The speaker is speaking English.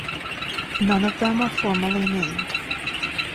None of them are formally named.